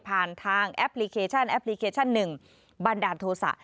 ทางแอปพลิเคชันแอปพลิเคชัน๑บันดาลโทษะ